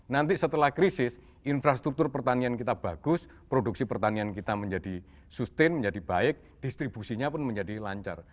nanti setelah krisis infrastruktur pertanian kita bagus produksi pertanian kita menjadi sustain menjadi baik distribusinya pun menjadi lancar